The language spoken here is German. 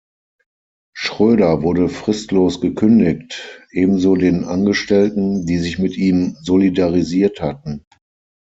Schröder wurde fristlos gekündigt, ebenso den Angestellten, die sich mit ihm solidarisiert hatten.